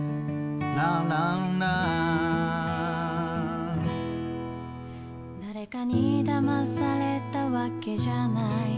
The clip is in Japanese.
「ラララ」「誰かにだまされたわけじゃない」